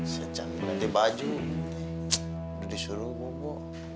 sejam nanti baju udah disuruh bobo